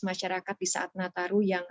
masyarakat di saat nataru yang